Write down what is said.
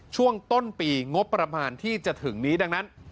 ช่วงต้นปีงบประมาณที่จะถึงนี้ดังนั้น